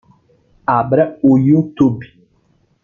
Abra o Youtube.